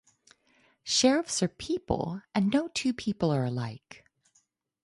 Sheriffs are people and no two people are alike.